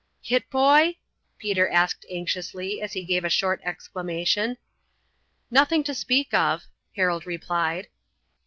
"Hit, boy?" Peter asked anxiously as he gave a short exclamation. "Nothing to speak of," Harold replied.